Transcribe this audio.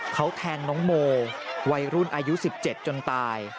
เขาแทงน้องโมวัยรุ่นอายุ๑๗จนตาย